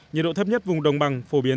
nhiệt độ thấp nhất vùng đồng bằng phổ biến